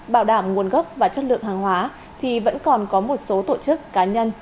bảo đảm nguồn gốc và chất lượng hàng hóa thì vẫn còn có một số tổ chức cá nhân